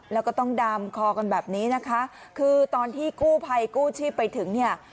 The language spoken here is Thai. แล้วก็ต้องดามคอกันแบบนี้นะคะคือตอนที่กู้ภัยกู้ชีพไปถึงเนี่ย